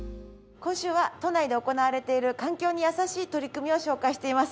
今週は都内で行われている環境に優しい取り組みを紹介しています。